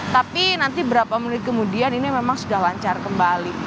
tapi nanti berapa menit kemudian ini memang sudah lancar kembali